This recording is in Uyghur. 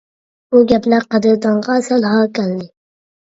بۇ گەپلەر قەدىردانغا سەل ھار كەلدى.